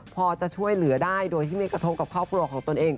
พอจะช่วยเหลือได้โดยที่ไม่กระทบกับครอบครัวของตนเอง